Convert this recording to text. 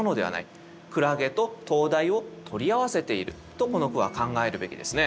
とこの句は考えるべきですね。